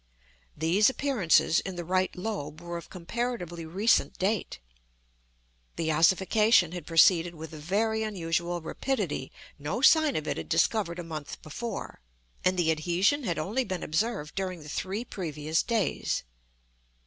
These appearances in the right lobe were of comparatively recent date. The ossification had proceeded with very unusual rapidity; no sign of it had been discovered a month before, and the adhesion had only been observed during the three previous days.